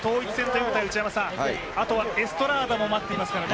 あとはエストラーダも待ってますからね。